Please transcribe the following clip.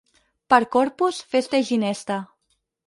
Per Corpus, festa i ginesta.